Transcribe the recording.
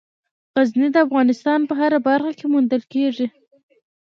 غزني د افغانستان په هره برخه کې موندل کېږي.